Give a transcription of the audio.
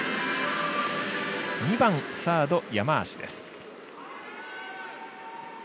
２番、サード、山足です。